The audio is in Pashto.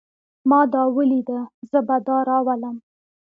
ما دا وليده. زه به دا راولم.